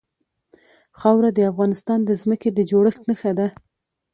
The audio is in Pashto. خاوره د افغانستان د ځمکې د جوړښت نښه ده.